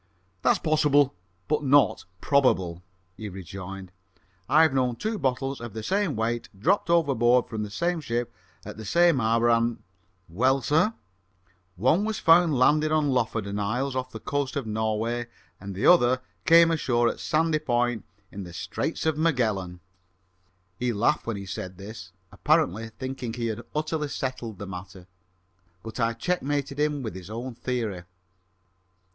"That's possible, but not probable," he rejoined. "I've known two bottles of the same weight dropped overboard from the same ship at the same hour, and " "Well, sir?" "One was found landed on the Lofoden Isles, off the coast of Norway: the other came ashore at Sandy Point, in the Straits of Magellan!" He laughed when he said this, apparently thinking he had utterly settled the matter, but I checkmated him with his own theory.